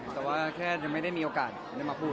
แต่ว่าแค่ยังไม่ได้มีโอกาสได้มาพูด